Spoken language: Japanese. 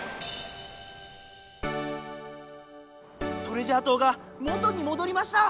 トレジャー島が元にもどりました！